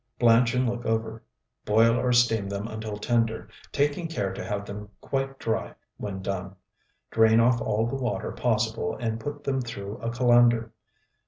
Blanch and look over. Boil or steam them until tender, taking care to have them quite dry when done. Drain off all the water possible and put them through a colander.